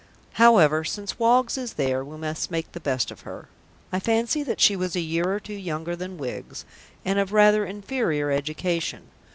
However, since Woggs is there, we must make the best of her. I fancy that she was a year or two younger than Wiggs and of rather inferior education.